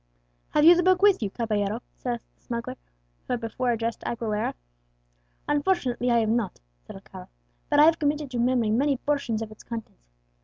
"Have you the book with you, caballero?" asked the smuggler who had before addressed Aguilera. "Unfortunately I have not," said Alcala; "but I have committed to memory many portions of its contents.